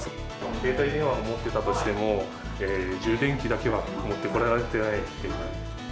携帯電話を持っていたとしても、充電器だけは持ってこられてないという。